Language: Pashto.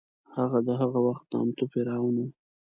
هغه د هغه وخت نامتو فرعون و.